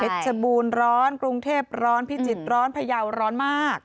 ชบูรณร้อนกรุงเทพร้อนพิจิตรร้อนพยาวร้อนมาก